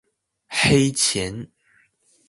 黑錢